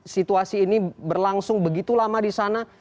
situasi ini berlangsung begitu lama di sana